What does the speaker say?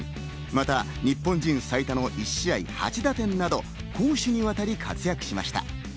また日本人最多の１試合８打点など、攻守にわたり活躍しました。